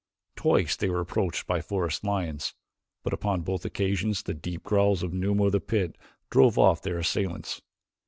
Twice they were approached by forest lions, but upon both occasions the deep growls of Numa of the pit drove off their assailants.